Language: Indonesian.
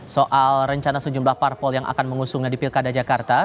soal rencana sejumlah parpol yang akan mengusungnya di pilkada jakarta